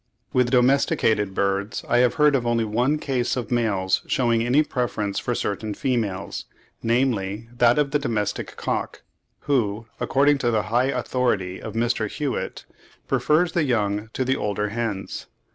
With domesticated birds, I have heard of only one case of males shewing any preference for certain females, namely, that of the domestic cock, who, according to the high authority of Mr. Hewitt, prefers the younger to the older hens.